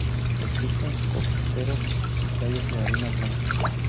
Existen cocoteros y playas de arena blanca.